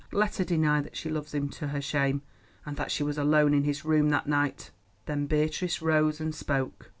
Let her deny that she loves him to her shame, and that she was alone in his room on that night." Then Beatrice rose and spoke.